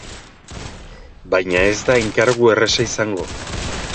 Baina ez da enkargu erraza izango.